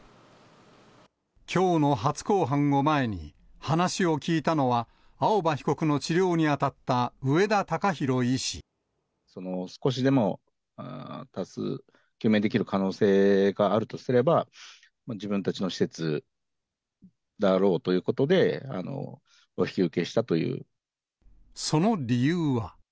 きょうの初公判を前に、話を聞いたのは、青葉被告の治療に当たった、少しでも救命できる可能性があるとすれば、自分たちの施設だろうということで、お引き受けしその理由は。